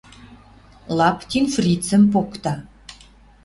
Лаптин фрицӹм покта.